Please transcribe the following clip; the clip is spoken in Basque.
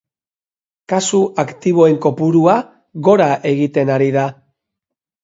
Kasu aktiboen kopurua gora egiten ari da.